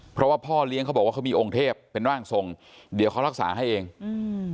เพราะว่าพ่อเลี้ยงเขาบอกว่าเขามีองค์เทพเป็นร่างทรงเดี๋ยวเขารักษาให้เองอืม